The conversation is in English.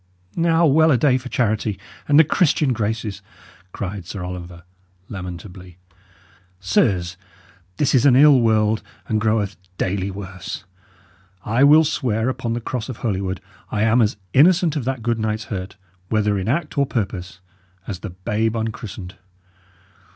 "Now, well a day for charity and the Christian graces!" cried Sir Oliver, lamentably. "Sirs, this is an ill world, and groweth daily worse. I will swear upon the cross of Holywood I am as innocent of that good knight's hurt, whether in act or purpose, as the babe unchristened.